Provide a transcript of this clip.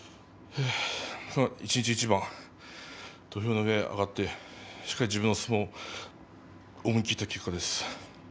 一日一番土俵に上がってしっかり自分の相撲を思いっきって取った結果です。